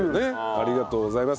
ありがとうございます。